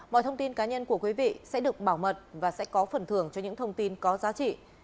mọi thông tin cá nhân của quý vị sẽ được bảo mật và sẽ có phần thưởng cho những thông tin có giá trị